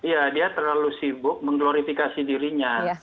ya dia terlalu sibuk mengglorifikasi dirinya